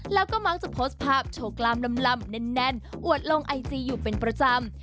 แล้วก็มักจะโพสต์ภาพโชว์กล้ามลำแน่นอวดลงไอจีอยู่เป็นประจำ